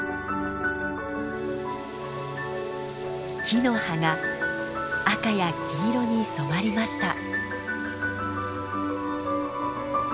木の葉が赤や黄色に染まりました。